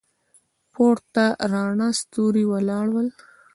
پورته راڼه ستوري ولاړ ول.